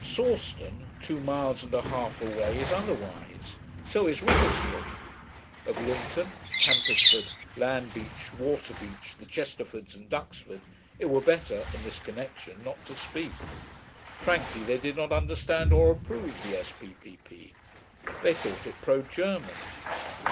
Sawston, two miles and a half away, is otherwise; so is Whittlesford. Of Linton, Pampisford, Landbeach, Waterbeach, the Chesterfords, and Duxford, it were better, in this connection, not to speak. Frankly, they did not understand or approve the S.P.P.P. They thought it Pro German.